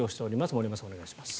森山さん、お願いします。